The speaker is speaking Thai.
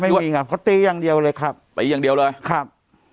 ตีครับเขาตีอย่างเดียวเลยครับตีอย่างเดียวเลยครับ